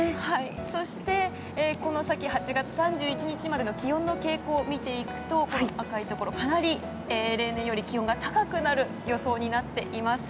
そしてこの先８月３１日までの気温の傾向を見ていくとかなり例年より気温が高くなる予想になっています。